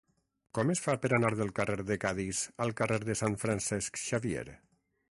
Com es fa per anar del carrer de Cadis al carrer de Sant Francesc Xavier?